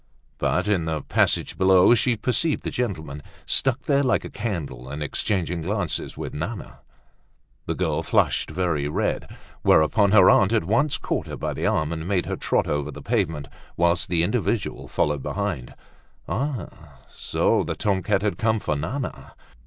But in the passage below she perceived the gentleman, stuck there like a candle and exchanging glances with Nana. The girl flushed very red, whereupon her aunt at once caught her by the arm and made her trot over the pavement, whilst the individual followed behind. Ah! so the tom cat had come for Nana.